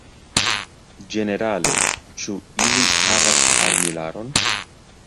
Ĝenerale, ĉu ili havas armilaron?